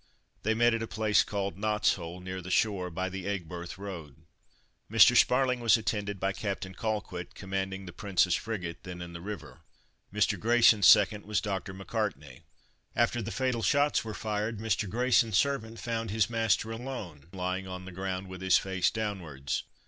They met at a place called Knot's Hole, near the shore by the Aigburth road. Mr. Sparling was attended by Captain Colquitt, commanding the Princess frigate, then in the river. Mr. Grayson's second was Dr. MacCartney. After the fatal shots were fired Mr. Grayson's servant found his master alone, lying on the ground with his face downwards.